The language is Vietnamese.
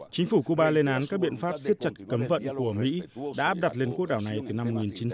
chính phủ cuba lên án các biện pháp siết chặt cấm vận của mỹ đã áp đặt lên quốc đảo này từ năm một nghìn chín trăm chín mươi